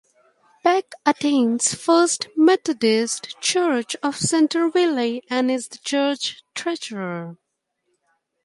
Beck attends First Methodist Church of Centerville and is the church treasurer.